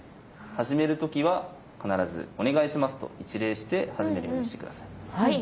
始める時は必ず「お願いします」と一礼して始めるようにして下さい。